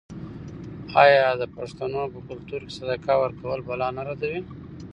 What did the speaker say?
آیا د پښتنو په کلتور کې صدقه ورکول بلا نه ردوي؟